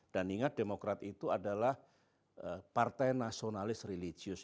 dan ingat demokrat itu adalah partai nasionalis relijius